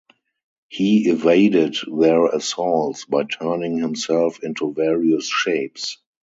He evaded their assaults by turning himself into various shapes.